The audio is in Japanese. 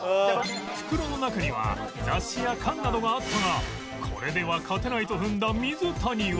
袋の中には雑誌や缶などがあったがこれでは勝てないと踏んだ水谷は